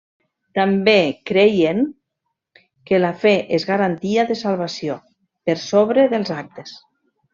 També creien que la fe és garantia de salvació, per sobre dels actes.